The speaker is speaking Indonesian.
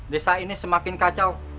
desa ini semakin kacau